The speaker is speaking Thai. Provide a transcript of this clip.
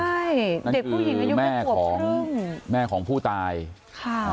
เด็กผู้หญิงอายุขวบครึ่งนั่นคือแม่ของแม่ของผู้ตายค่ะ